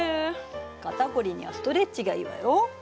肩こりにはストレッチがいいわよ。